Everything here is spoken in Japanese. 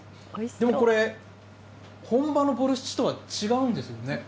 でもこれ、本場のボルシチとは違うんですよね。